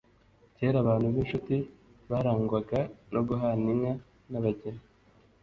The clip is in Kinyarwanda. Kera abantu b’inshuti barangwaga no guhana inka n’abageni.